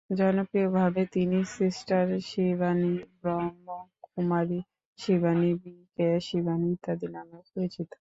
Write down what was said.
জনপ্রিয়ভাবে তিনি sister Shivani, Brahma Kumari Shivani, B K Shivani ইত্যাদি নামেও পরিচিত।